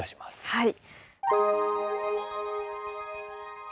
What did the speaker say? はい。